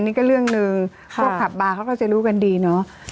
นี่ก็เรื่องหนึ่งพวกขับบาร์เขาก็จะรู้กันดีเนาะ